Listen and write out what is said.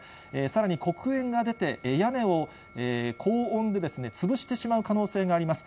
さらに黒煙が出て、屋根を高温で潰してしまう可能性があります。